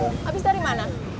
habis dari mana